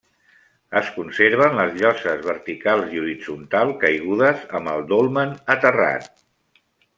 Es conserven les lloses verticals i horitzontal caigudes, amb el dolmen aterrat.